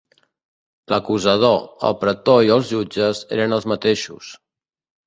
L'acusador, el pretor i els jutges eren els mateixos.